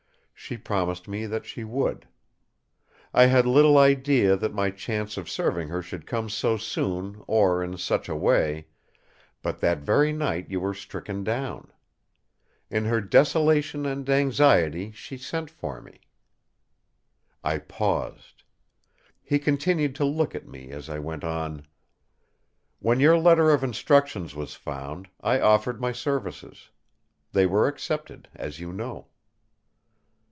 She promised me that she would. I had little idea that my chance of serving her should come so soon or in such a way; but that very night you were stricken down. In her desolation and anxiety she sent for me!" I paused. He continued to look at me as I went on: "When your letter of instructions was found, I offered my services. They were accepted, as you know."